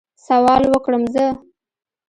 سوال وکړم زه؟